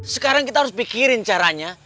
sekarang kita harus pikirin caranya